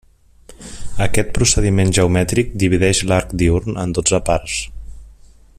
Aquest procediment geomètric divideix l'arc diürn en dotze parts.